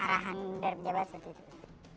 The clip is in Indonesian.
arahannya dari pejabat seperti itu